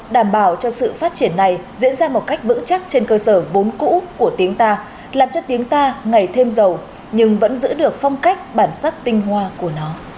đảm bảo cho sự phát triển này diễn ra một cách vững chắc trên cơ sở bốn cũ của tiếng ta làm cho tiếng ta ngày thêm giàu nhưng vẫn giữ được phong cách bản sắc tinh hoa của nó